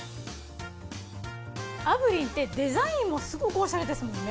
炙輪ってデザインもすごくおしゃれですもんね。